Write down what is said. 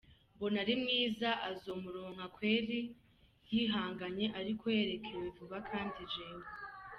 Mbona ari mwiza azomuronka kweli yihangane ariko yerekwe vuba knd jewe.